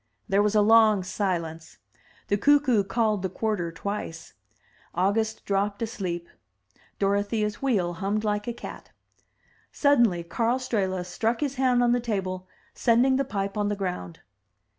There was a long silence; the cuckoo called the quarter twice; August dropped asleep; Dorothea's wheel hummed like a cat. Suddenly Karl Strehla struck his hand on the table, sending the pipe on the ground.